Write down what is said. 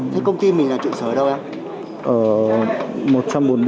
thế công ty mình là trụ sở ở đâu ạ